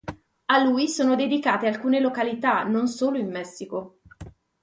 A lui sono dedicate alcune località non solo in Messico.